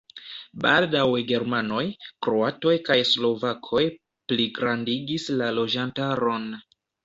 Baldaŭe germanoj, kroatoj kaj slovakoj pligrandigis la loĝantaron.